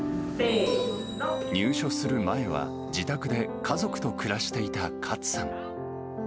入所する前は、自宅で家族と暮らしていたカツさん。